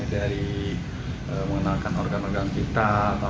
dari mengenalkan organ organ kita